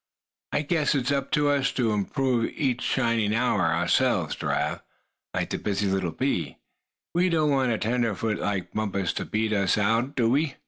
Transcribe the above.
I guess it's up to us to improve each shining hour, ourselves, Giraffe, like the busy little bee. We don't want a tenderfoot like Bumpus to beat us out, do we?"